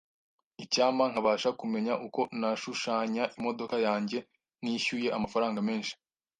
Icyampa nkabasha kumenya uko nashushanya imodoka yanjye ntishyuye amafaranga menshi.